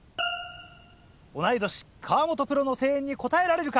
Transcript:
同い年河本プロの声援に応えられるか？